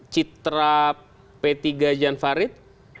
citra p tiga jan farid